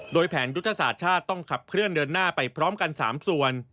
โดยแผนยุทธศาสตร์ชาติต้องขับเคลื่อนเดินหน้าไปพร้อมกัน๓ส่วน